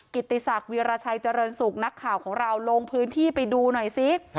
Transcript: ติศักดิราชัยเจริญสุขนักข่าวของเราลงพื้นที่ไปดูหน่อยซิ